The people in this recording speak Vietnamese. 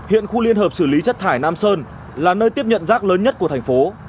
hiện khu liên hợp xử lý chất thải nam sơn là nơi tiếp nhận rác lớn nhất của thành phố